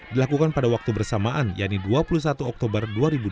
dilakukan pada waktu bersamaan yaitu dua puluh satu oktober dua ribu dua puluh